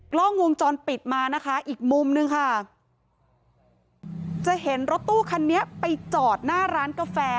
กล้องวงจรปิดมานะคะอีกมุมนึงค่ะจะเห็นรถตู้คันนี้ไปจอดหน้าร้านกาแฟ